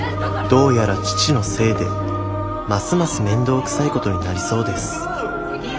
どうやら父のせいでますます面倒くさいことになりそうです